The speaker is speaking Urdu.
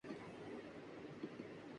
ایسا دیکھا نہیں خوبصورت کوئی